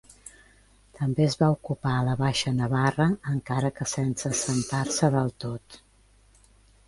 També es va ocupar la Baixa Navarra encara que sense assentar-se del tot.